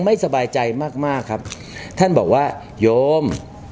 ไม่สบายใจมากมากครับท่านบอกว่าโยม